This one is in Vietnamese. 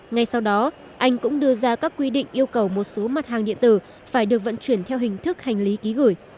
ngay sau đó anh cũng đưa ra các quy định yêu cầu một số mặt hàng điện tử phải được vận chuyển theo hình thức hành lý ký gửi